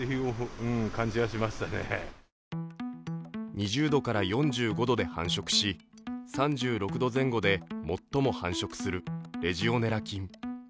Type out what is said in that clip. ２０度から４５度で繁殖し３６度前後で最も繁殖するレジオネラ菌。